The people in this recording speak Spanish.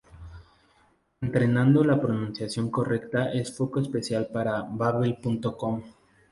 Entrenando la pronunciación correcta es foco especial para Babbel.com.